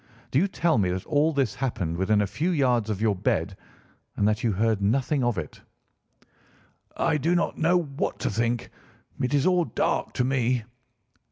Do you tell me that all this happened within a few yards of your bed and that you heard nothing of it?" "I do not know what to think. It is all dark to me."